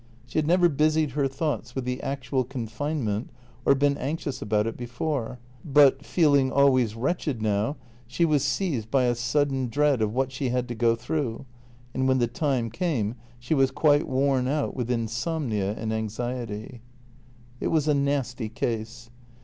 She had never busied her thoughts with the actual confinement or been anxious about it before, but, feeling always wretched now, she was seized by a sudden dread of what she had to go through, and when the time came she was quite worn out with insomnia and anxiety. It was a nasty case.